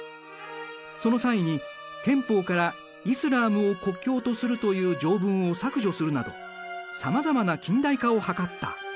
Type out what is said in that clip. その際に憲法から「イスラームを国教とする」という条文を削除するなどさまざまな近代化を図った。